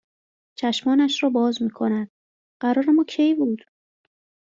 چشمانش را باز میکند. قرارِ ما کی بود